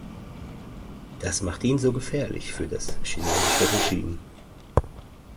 Das macht ihn so gefährlich für das chinesische Regime.